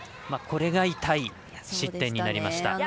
これが痛い失点になりました。